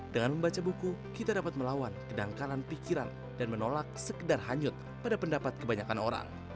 dengan membaca buku kita dapat melawan kedangkalan pikiran dan menolak sekedar hanyut pada pendapat kebanyakan orang